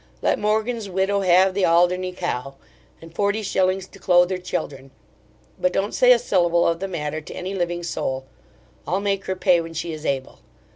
Let Morgan's widow have the Alderney cow, and forty shillings to clothe her children: but don't say a syllable of the matter to any living soul I'll make her pay when she is able.